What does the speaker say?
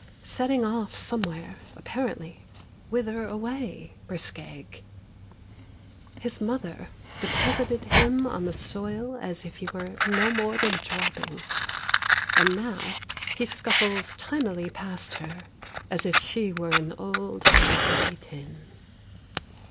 Setting off somewhere, apparently. Whither away, brisk egg? His mother deposited him on the soil as if he were no more than droppings, And now he scuffles tinily past her as if she were an old rusty tin.